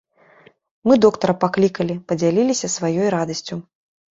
Мы доктара паклікалі, падзяліліся сваёй радасцю.